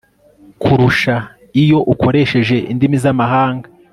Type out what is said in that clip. kurusha iyo ukoresheje indimi z'amahanga